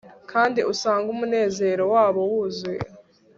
kandi usange umunezero wabo wuzuye